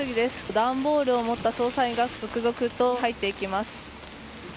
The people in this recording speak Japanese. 段ボールを持った捜査員が続々と入っていきます。